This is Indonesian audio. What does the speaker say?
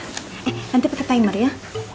eh nanti pake timer ya